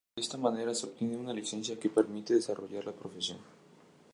De esta manera se obtiene una licencia que permite desarrollar la profesión.